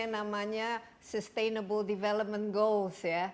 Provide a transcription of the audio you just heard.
yang namanya sustainable development goals